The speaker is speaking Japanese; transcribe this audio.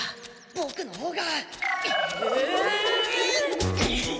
ボクのほうが！